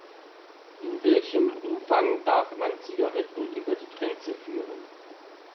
In welchem Umfang darf man Zigaretten über die Grenze führen?